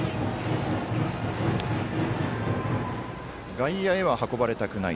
外野へは運ばれたくない。